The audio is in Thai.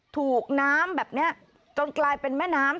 ถูกน้ำแบบนี้จนกลายเป็นแม่น้ำ